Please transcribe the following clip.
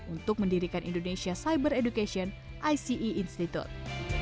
untuk mendirikan indonesia cyber education ice institute